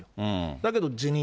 だけど辞任。